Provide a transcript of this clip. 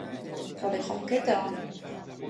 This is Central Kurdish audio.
تۆڵەی خۆم کردەوە.